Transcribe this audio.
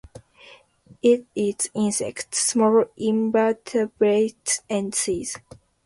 It eats insects, small invertebrates and seeds.